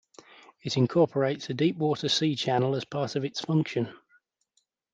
It incorporates a deep water sea channel as part of its function.